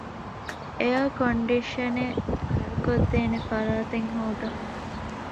އެއަރ ކޮންޑިޝަނެއް ހަރުކޮށްދޭނެ ފަރާތެއް ހޯދަން